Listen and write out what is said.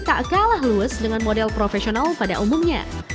tak kalah luas dengan model profesional pada umumnya